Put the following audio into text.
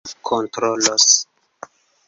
kontrolos